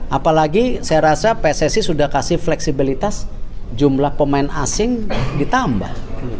apalagi saya rasa pssi sudah kasih fleksibilitas jumlah pemain asing ditambah